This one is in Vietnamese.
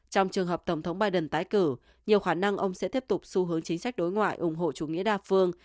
trong trường hợp tổng thống biden tái cử nhiều khả năng ông sẽ tiếp tục xu hướng chính sách đối ngoại ủng hộ chủ nghĩa đa phương